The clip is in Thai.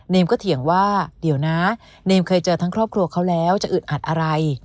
ก็เถียงว่าเดี๋ยวนะเนมเคยเจอทั้งครอบครัวเขาแล้วจะอึดอัดอะไร